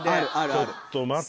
ちょっと待って。